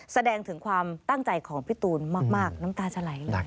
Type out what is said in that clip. แสดงถึงความตั้งใจของพี่ตูนมากน้ำตาจะไหลเลย